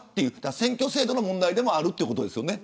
選挙制度の問題でもあるということですよね。